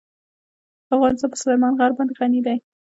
افغانستان په سلیمان غر باندې غني دی.